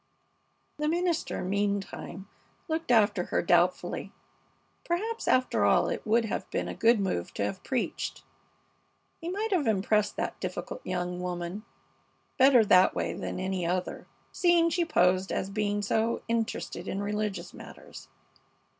The minister, meantime, looked after her doubtfully. Perhaps, after all, it would have been a good move to have preached. He might have impressed that difficult young woman better that way than any other, seeing she posed as being so interested in religious matters.